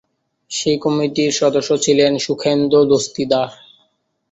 সেই কমিটির সদস্য ছিলেন সুখেন্দু দস্তিদার।